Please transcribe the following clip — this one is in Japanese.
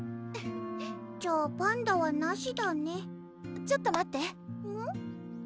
じゃあパンダはなしだねちょっと待ってうん？